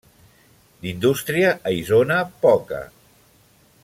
D'indústria, a Isona, poca.